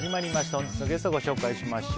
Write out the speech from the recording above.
本日のゲストご紹介します。